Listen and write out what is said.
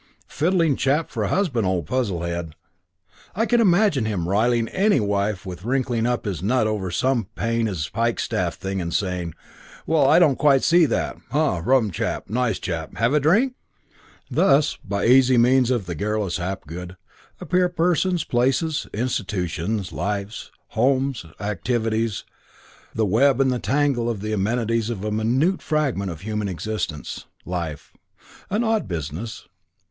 Fiddling chap for a husband, old Puzzlehead. Can imagine him riling any wife with wrinkling up his nut over some plain as a pikestaff thing and saying, 'Well, I don't quite see that.' Ha! Rum chap. Nice chap. Have a drink?" CHAPTER II I Thus, by easy means of the garrulous Hapgood, appear persons, places, institutions; lives, homes, activities; the web and the tangle and the amenities of a minute fragment of human existence. Life. An odd business.